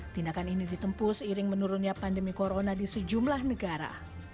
tindakan ini ditempuh seiring menurunnya pandemi corona di sejumlah negara